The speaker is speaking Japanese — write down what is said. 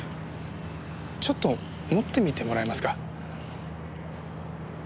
ちょっと持ってみてもらえますか？